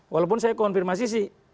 walaupun saya konfirmasi sih